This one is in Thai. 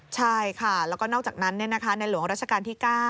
ใช่ค่ะแล้วก็นอกจากนั้นในหลวงราชการที่๙